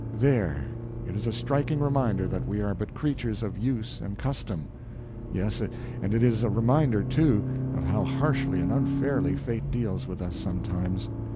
There—it is a striking reminder that we are but creatures of use and custom; yes, and it is a reminder, too, of how harshly and unfairly fate deals with us sometimes.